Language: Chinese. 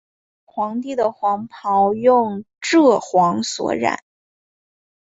皇帝的黄袍用柘黄所染。